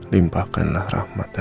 dimanapun ia berada